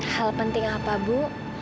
hal penting apa bu